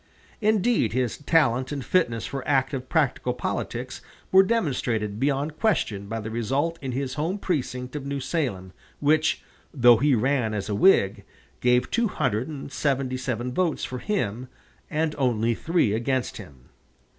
Indeed, his talent and fitness for active practical politics were demonstrated beyond question by the result in his home precinct of New Salem, which, though he ran as a Whig, gave two hundred and seventy seven votes for him and only three against him.